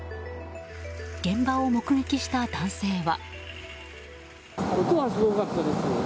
現場を目撃した男性は。